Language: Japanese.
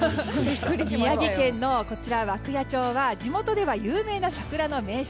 宮城県の涌谷町は地元では有名な桜の名所。